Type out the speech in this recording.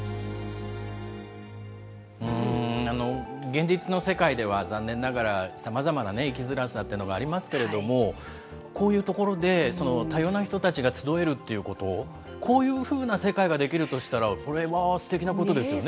現実の世界では残念ながら、さまざまな生きづらさというのがありますけれども、こういう所で多様な人たちが集えるということ、こういうふうな世界ができるとしたら、これはすてきなことですよ